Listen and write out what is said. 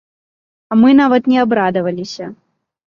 А мы нават не абрадаваліся!